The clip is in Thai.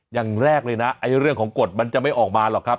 อย่างแรกเลยนะเรื่องของกฎมันจะไม่ออกมาหรอกครับ